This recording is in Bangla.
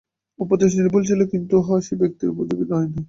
উপদেশ নির্ভুল ছিল, কিন্তু উহা সেই ব্যক্তির উপযোগী হয় নাই।